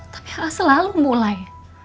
tapi a'a selalu mulai